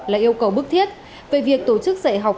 là yêu cầu bức thiết về việc tổ chức dạy học